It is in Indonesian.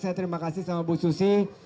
saya terima kasih sama bu susi